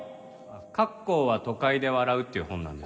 『郭公は都会で笑う』っていう本なんですけど。